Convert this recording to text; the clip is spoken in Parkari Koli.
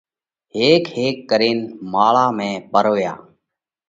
هيڪ هيڪ ڪرينَ ماۯا ۾ پروياه۔